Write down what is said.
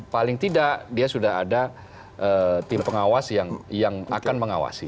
paling tidak dia sudah ada tim pengawas yang akan mengawasi